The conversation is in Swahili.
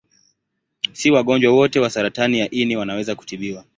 Si wagonjwa wote wa saratani ya ini wanaweza kutibiwa.